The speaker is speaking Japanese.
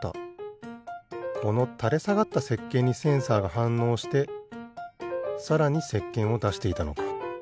このたれさがったせっけんにセンサーがはんのうしてさらにせっけんをだしていたのか。